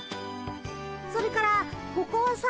それからここはさ。